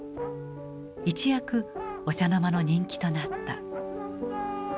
一躍お茶の間の人気となった。